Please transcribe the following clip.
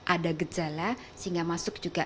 ada gejala sehingga masuk juga